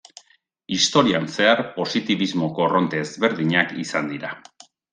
Historian zehar positibismo korronte ezberdinak izan dira.